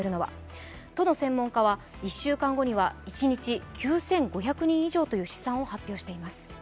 都の専門家は１週間後には一日９５００人以上という試算を発表しています。